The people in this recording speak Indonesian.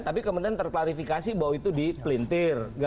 tapi kemudian terklarifikasi bahwa itu di pelintir